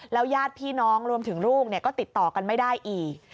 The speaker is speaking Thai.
ญาติพี่น้องรวมถึงลูกก็ติดต่อกันไม่ได้อีก